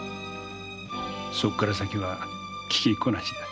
そっから先は聞きっこなしだ。